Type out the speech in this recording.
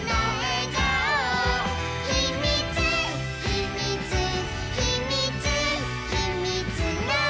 「ひみつひみつひみつひみつの」